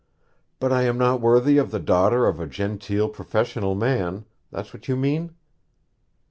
'But I am not worthy of the daughter of a genteel professional man that's what you mean?'